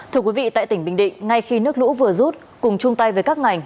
thưa quý vị tại tỉnh bình định ngay khi nước lũ vừa rút cùng chung tay với các ngành